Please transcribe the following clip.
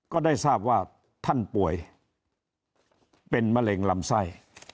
ก็ได้ทราบว่าท่านป่วยเป็นมะเร็งลำไส้